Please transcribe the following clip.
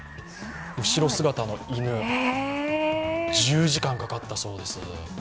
後ろ姿の犬、１０時間かかったそうです。